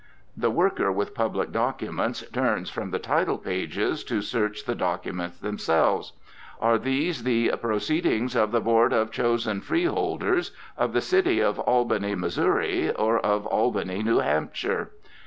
The worker with public documents turns from the title pages to search the documents themselves. Are these the "Proceedings of the Board of Chosen Freeholders" of the City of Albany, Missouri, or of Albany, New Hampshire?